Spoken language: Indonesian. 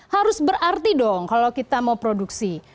harus berarti dong kalau kita mau produksi